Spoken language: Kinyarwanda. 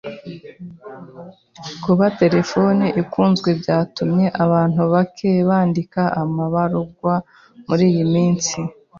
Kuba terefone ikunzwe byatumye abantu bake bandika amabaruwa muriyi minsi.